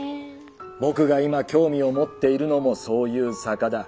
僕が今興味を持っているのもそういう「坂」だ。